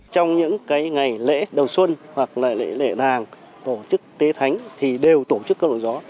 trong những ngày lễ đầu xuân hoặc lễ lễ thàng tổ chức tế thánh đều tổ chức cầu lông gió